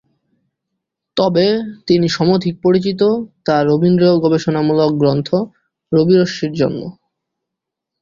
তবে তিনি সমধিক পরিচিত তার রবীন্দ্র-গবেষণামূলক গ্রন্থ ‘রবি-রশ্মি’র জন্য।